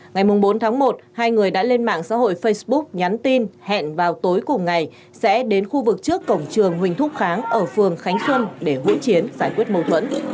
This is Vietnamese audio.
ngày bốn tháng một hai người đã lên mạng xã hội facebook nhắn tin hẹn vào tối cùng ngày sẽ đến khu vực trước cổng trường huỳnh thúc kháng ở phường khánh xuân để hỗn chiến giải quyết mâu thuẫn